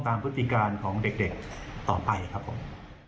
พฤติการของเด็กต่อไปครับผม